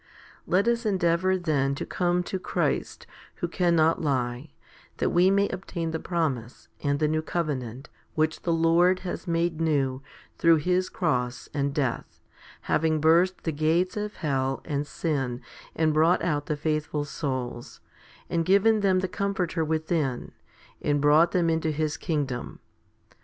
1 3. Let us endeavour then to come to Christ, who cannot lie, that we may obtain the promise, and the new covenant, which the Lord has made new 2 through His cross and death, having burst the gates of hell and sin and brought out the faithful souls, and given them the Comforter within, and brought them into His kingdom.